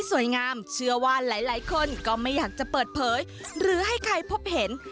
เชื่อว่าหลายคนก็ไม่อยากจะเปิดเผยหรือให้ใครพบเห็น